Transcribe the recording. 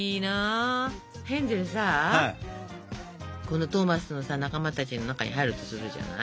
このトーマスのさ仲間たちの中に入るとするじゃない？